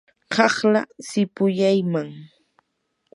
qaqlaa shipuyaykam.